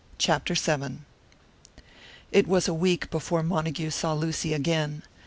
CHAPTER VII It was a week before Montague saw Lucy again.